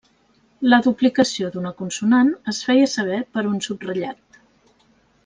La duplicació d'una consonant es feia saber per un subratllat.